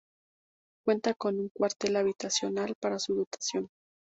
Cuenta con un cuartel-habitación para su dotación.